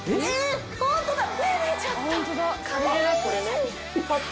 ホントだ！